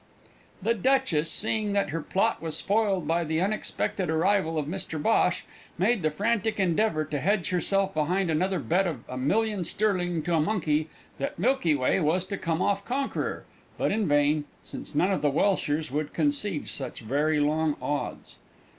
_ The Duchess, seeing that her plot was foiled by the unexpected arrival of Mr Bhosh, made the frantic endeavour to hedge herself behind another bet of a million sterling to a monkey that Milky Way was to come off conqueror but in vain, since none of the welshers would concede such very long odds.